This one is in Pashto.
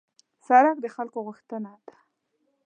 سړک د خلکو غوښتنه ده.